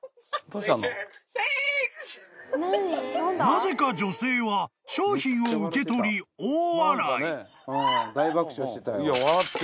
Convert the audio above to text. ［なぜか女性は商品を受け取り大笑い］